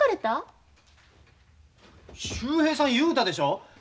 秀平さん言うたでしょう。